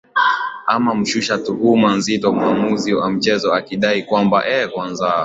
ama mshusha tuhuma nzito mwamuzi wa mchezo akidai ya kwamba eeh kwanza